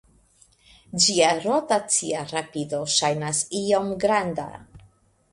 Ĝia rotacia rapido ŝajnas iom granda.